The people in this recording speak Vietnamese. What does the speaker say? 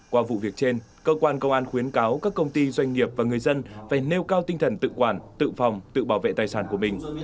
qua vụ việc trên cơ quan công an khuyến cáo các công ty doanh nghiệp và người dân phải nêu cao tinh thần tự quản tự phòng tự bảo vệ tài sản của mình